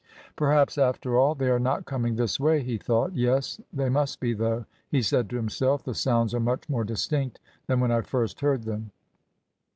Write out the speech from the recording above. "Perhaps, after all, they are not coming this way," he thought; "yes, they must be, though," he said to himself; "the sounds are much more distinct than when I first heard them."